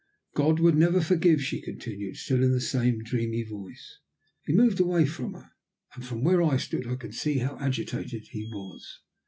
"God would never forgive," she continued, still in the same dreamy voice. He moved away from her, and from where I stood I could see how agitated he was.